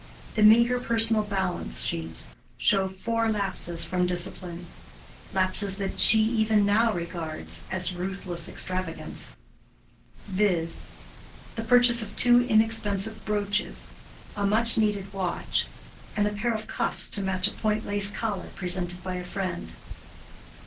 The meager personal balance sheets show four lapses from discipline, lapses that she even now regards as ruthless extravagance, viz.: the purchase of two inexpensive brooches, a much needed watch, and a pair of cuffs to match a point lace collar presented by a friend.